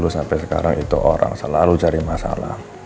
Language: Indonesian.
saya ingin mencari masalah